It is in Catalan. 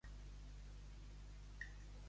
A la llongada.